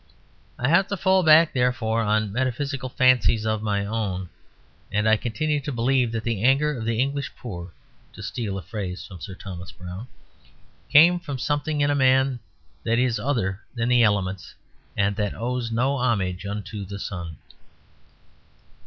I have to fall back therefore on metaphysical fancies of my own; and I continue to believe that the anger of the English poor (to steal a phrase from Sir Thomas Browne) came from something in man that is other than the elements and that owes no homage unto the sun.